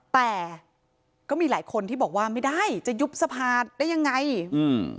แต่ก็มีหลายคนที่บอกว่าไม่ได้จะยุบสภาได้ยังไงอืม